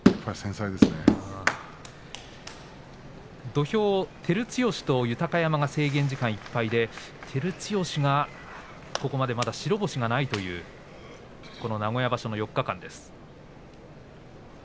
土俵は照強と豊山が制限時間いっぱいで照強がここまで白星がないという名古屋場所の４日間です。